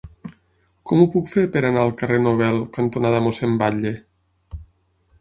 Com ho puc fer per anar al carrer Nobel cantonada Mossèn Batlle?